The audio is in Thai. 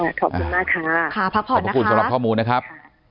ขอบคุณมากค่ะขอบคุณสำหรับข้อมูลนะครับ